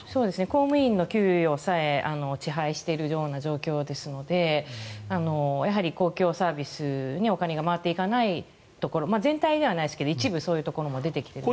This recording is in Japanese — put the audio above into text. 公務員の給料さえ遅配しているような状況ですのでやはり、公共サービスにお金が回っていかないところ全体ではないですけど一部そういうところも出てきています。